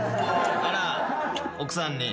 あら奥さんに。